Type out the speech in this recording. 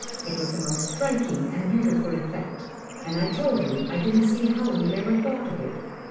It is a most striking and beautiful effect, and I told him I didn't see how he ever thought of it.